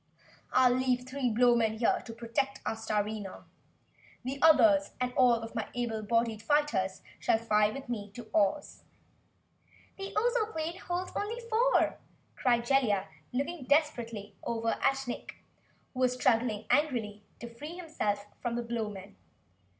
I'll leave three Blowmen here to protect our Starina. The others, and all of my able bodied fighters, shall fly with me to Ohs." "The Ozoplane holds only four!" cried Jellia, looking desperately over at Nick who was struggling angrily to free himself from the Blowmen.